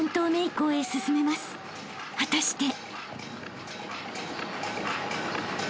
［果たして］